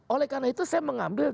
oleh karena itu saya mengambil